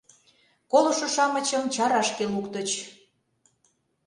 Колышо-шамычым чарашке луктыч.